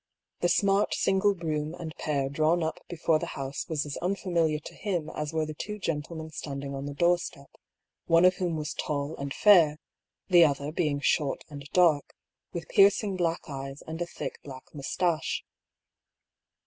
The smart single brougham and pair drawn up before the house was as unfamiliar to him as were the two gentlemen standing on the doorstep, one of whom was tall and fair, the other being short and dark, with piercing black eyes and a thick black moustache.